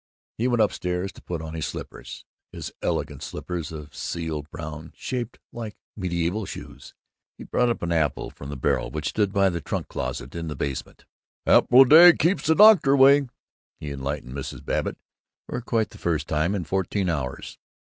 He went upstairs to put on his slippers his elegant slippers of seal brown, shaped like medieval shoes. He brought up an apple from the barrel which stood by the trunk closet in the basement. "An apple a day keeps the doctor away," he enlightened Mrs. Babbitt, for quite the first time in fourteen hours.